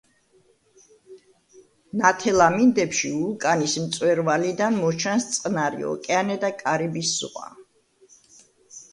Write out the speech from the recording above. ნათელ ამინდებში ვულკანის მწვერვალიდან მოჩანს წყნარი ოკეანე და კარიბის ზღვა.